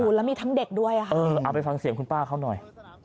แล้วมีทั้งเด็กด้วยค่ะเออเอาไปฟังเสียงคุณป้าเขาหน่อย